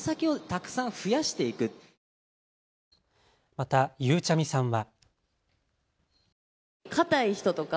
また、ゆうちゃみさんは。